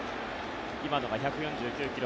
今のが１４９ｋｍ